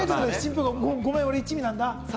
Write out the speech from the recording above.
ごめん僕、一味なんだ。